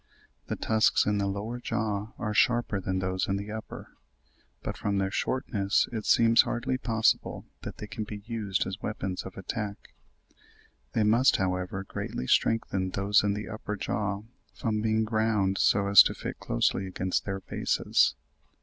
The tusks in the lower jaw are sharper than those in the upper, but from their shortness it seems hardly possible that they can be used as weapons of attack. They must, however, greatly strengthen those in the upper jaw, from being ground so as to fit closely against their bases.